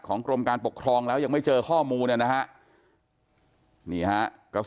ของกรมการปกครองแล้วยังไม่เจอข้อมูลนะครับ